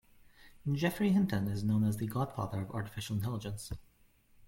Geoffrey Hinton is known as the godfather of artificial intelligence.